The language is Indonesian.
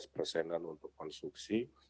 dua belas persenan untuk konstruksi